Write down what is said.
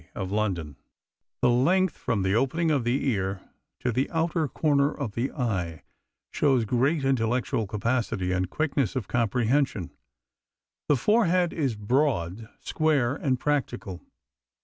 of London: "The length from the opening of the ear to the outer corner of the eye shows great intellectual capacity and quickness of comprehension. The forehead is broad, square, and practical.